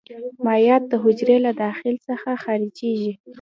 مایعات د حجرې له داخل څخه خارجيږي.